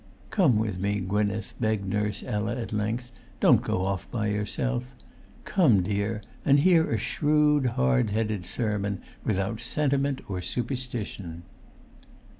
"Come with me, Gwynneth," begged Nurse Ella, at length; "don't go off by yourself. Come, dear, and hear a shrewd, hard headed sermon, without sentiment or superstition!"